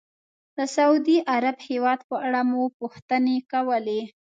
د سعودي عرب هېواد په اړه مو پوښتنې کولې.